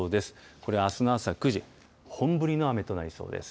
これ、あすの朝９時、本降りの雨となりそうです。